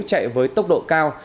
chạy với tốc độ cao